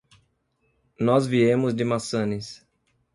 Nós viemos de Massanes.